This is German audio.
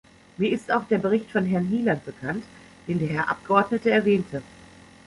Mir ist auch der Bericht von Herrn Hyland bekannt, den der Herr Abgeordnete erwähnte.